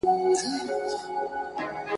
یوې لويی زړې وني ته دمه سول !.